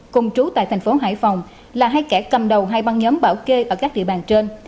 cùng trú tại thành phố hải phòng là hai kẻ cầm đầu hai băng nhóm bảo kê ở các địa bàn trên